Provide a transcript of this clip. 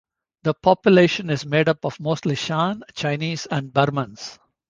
The population is made up of mostly Shan, Chinese and Burmans.